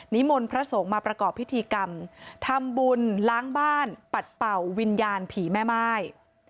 มนต์พระสงฆ์มาประกอบพิธีกรรมทำบุญล้างบ้านปัดเป่าวิญญาณผีแม่ม่าย